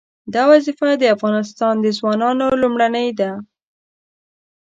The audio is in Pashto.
دا وظیفه د افغانستان د ځوانانو لومړنۍ ده.